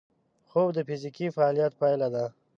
خوب د فزیکي فعالیت پایله ده